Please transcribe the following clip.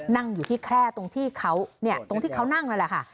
นั่งอยู่ที่แคล่ตรงที่เขานั่งนั่นแหละค่ะ